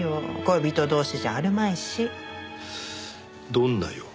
どんな用？